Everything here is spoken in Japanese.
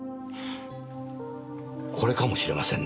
これかもしれませんね